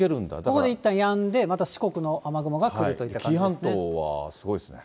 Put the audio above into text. ここでいったんやんで、また四国の雨雲が来るといった感じで紀伊半島はすごいですね。